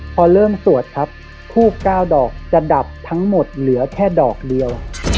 พอเริ่มสวดครับทูบ๙ดอกจะดับทั้งหมดเหลือแค่ดอกเดียว